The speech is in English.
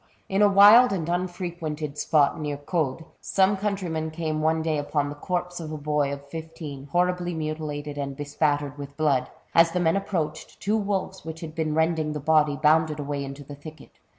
In a wild and unfrequented spot near Caude, some countryman came one day upon the corpse of a boy of fifteen, horribly mutilated and bespattered with blood. As the men approached, two wolves, which had been rending the body, bounded away into the thicket.